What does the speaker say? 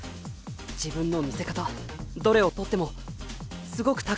自分の見せ方どれを取ってもすごく高い技術でした。